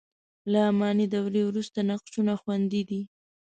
له اماني دورې وروسته نقشونه خوندي دي.